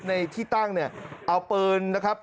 ในที่ตั้งนี้เอาปืนนะครับ